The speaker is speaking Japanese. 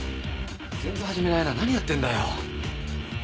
全然始めないな何やってんだよ。